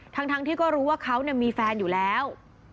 ทั้งที่ก็รู้ว่าเขามีแฟนอยู่แล้ว